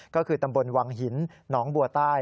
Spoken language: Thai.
ก็คือตำบลวังหินหนองบัวใต้